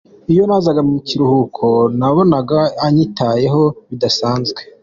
Iyo nazaga mu kiruhuko, nabonaga anyitayeho bidasanzwe.